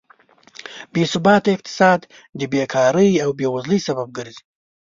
بېثباته اقتصاد د بېکارۍ او بېوزلۍ سبب ګرځي.